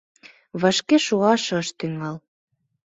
Вашке шуаш ыш тӱҥал: